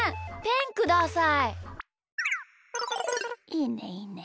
いいねいいね。